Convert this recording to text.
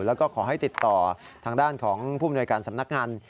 แล้วก็ขอให้ติดต่อทางด้านของผู้มนวยการสำนักงาน